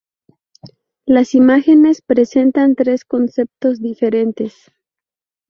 Las imágenes presentan tres conceptos diferentes.